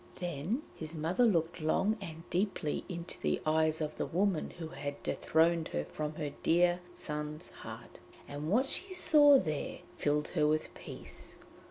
Then his mother looked long and deeply into the eyes of the woman who had dethroned her from her dear son's heart, and what she saw there filled her with peace.